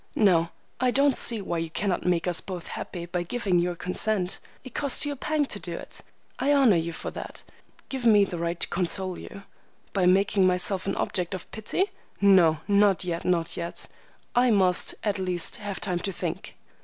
Now, I don't see why you cannot make us both happy by giving your consent. It costs you a pang to do it. I honor you for that. Give me the right to console you." "By making myself an object of pity? No, not yet, not yet. I must, at least, have time to think."